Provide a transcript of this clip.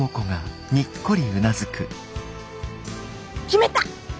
決めた！